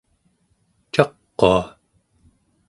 caqua